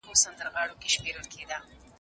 اووه عدد دئ.